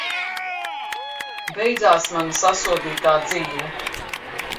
Beidzās mana sasodītā dzīve!